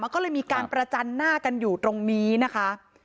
ก็เลยมีการประจันหน้ากันอยู่ตรงนี้นะคะ